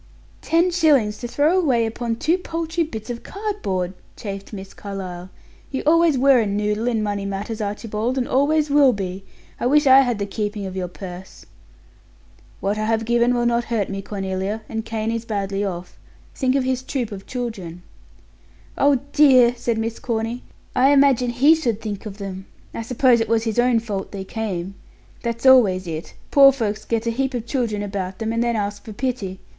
"Ten shillings to throw away upon two paltry bits of cardboard!" chafed Miss Carlyle. "You always were a noodle in money matters, Archibald, and always will be. I wish I had the keeping of your purse!" "What I have given will not hurt me, Cornelia, and Kane is badly off. Think of his troop of children." "Oh, dear!" said Miss Corny. "I imagine he should think of them. I suppose it was his own fault they came. That's always it. Poor folks get a heap of children about them, and then ask for pity.